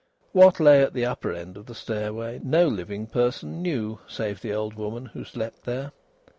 What lay at the upper end of the stairway no living person knew, save the old woman who slept there.